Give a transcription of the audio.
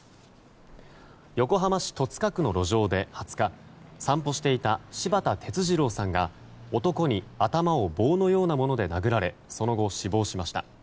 横浜市戸塚区の路上で２０日散歩していた柴田哲二郎さんが男に頭を棒のようなもので殴られその後、死亡しました。